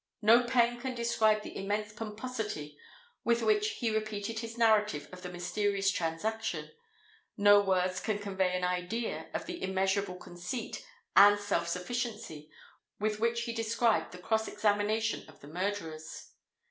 No pen can describe the immense pomposity with which he repeated his narrative of the mysterious transaction: no words can convey an idea of the immeasurable conceit and self sufficiency with which he described the cross examination of the murderers.